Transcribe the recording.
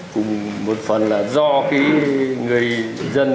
cùng một phần là do cái người dân